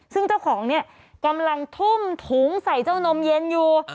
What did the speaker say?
ซึ่งเจ้าของเนี่ยกำลังทุ่มถุงใส่เจ้านมเย็นอยู่